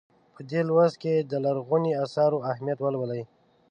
په دې لوست کې د لرغونو اثارو اهمیت ولولئ.